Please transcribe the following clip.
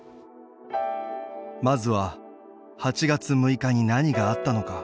まずは「８月６日に何があったのか？」